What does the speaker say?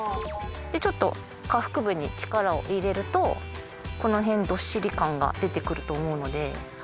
ちょっと下腹部に力を入れるとこの辺どっしり感が出てくると思うので。